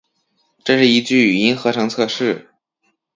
这是一句语音合成测试